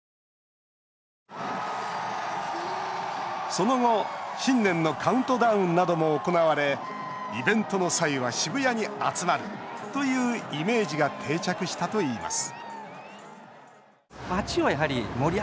その後、新年のカウントダウンなども行われイベントの際は渋谷に集まるというイメージが定着したといいます